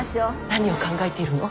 何を考えているの。